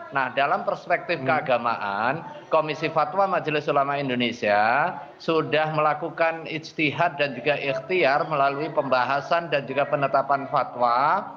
nah dalam perspektif keagamaan komisi fatwa majelis ulama indonesia sudah melakukan ijtihad dan juga ikhtiar melalui pembahasan dan juga penetapan fatwa